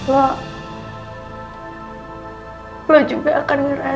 lo zain ulphanil atau liduta